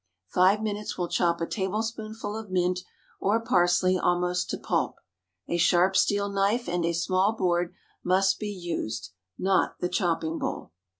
Five minutes will chop a tablespoonful of mint or parsley almost to pulp. A sharp steel knife and a small board must be used, not the chopping bowl.